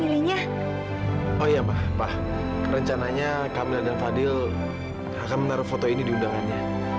milihnya oh iya pak rencananya kamila dan fadil akan menaruh foto ini di undangannya